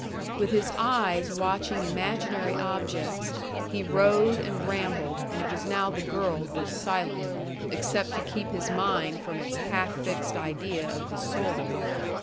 With his eyes watching imaginary objects, he rode and rambled and it was now the girl who was silent, except to keep his mind from its half fixed idea of the sorrel.